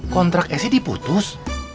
kontrak snya diputus